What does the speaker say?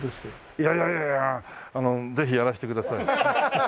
いやいやいやいやあのぜひやらしてください。